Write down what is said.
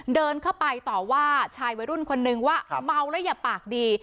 เดินเข้าไปต่อว่าชายวัยรุ่นคนนึงว่าเมาแล้วอย่าปากดี